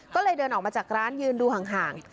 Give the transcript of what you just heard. ก็เลยเดินออกมาจากร้านยืนดูห่าง